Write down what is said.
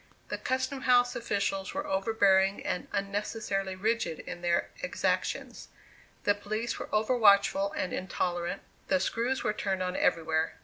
The custom house officials were overbearing and unnecessarily rigid in their exactions; the police were over watchful and intolerant; the screws were turned on everywhere.